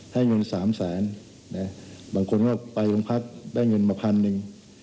ให้เงิน๓แสนบางคนก็ไปโรงพักได้เงินมาพันหนึ่ง